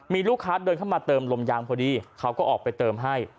มีลูกค้าเดินเข้ามาเติมลมยางพอดีเขาก็ออกไปเติมให้